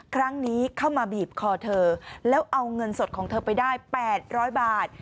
ครั้งนี้เข้ามาบีบคอเธอแล้วเอาเงินสดของเธอไปได้๘๐๐บาท